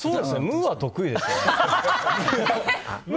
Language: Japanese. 無は得意ですね。